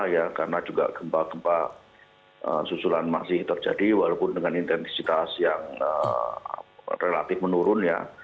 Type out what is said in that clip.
ya karena juga gempa gempa susulan masih terjadi walaupun dengan intensitas yang relatif menurun ya